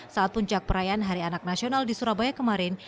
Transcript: saat puncak perayaan hari anak nasional di surabaya kemarin